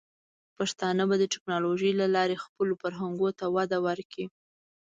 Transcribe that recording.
پښتانه به د ټیکنالوجۍ له لارې خپلو فرهنګونو ته وده ورکړي.